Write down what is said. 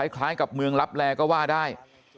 คล้ายกับเมืองลับแลก็ว่าได้